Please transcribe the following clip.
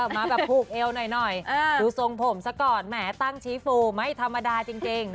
มาแบบผูกเอวหน่อยดูทรงผมซะก่อนแหมตั้งชี้ฟูไม่ธรรมดาจริง